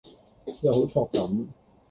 又好 chok 咁⠀⠀